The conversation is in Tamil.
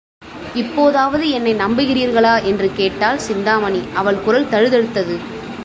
இப்போதாவது என்னை நம்புகிறீர்களா? என்று கேட்டாள் சிந்தாமணி அவள் குரல் தழுதழுத்தது.